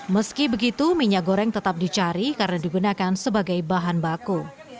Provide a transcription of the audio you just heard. meski begitu minyak goreng tetap dicari karena digunakan sebagai bahan baku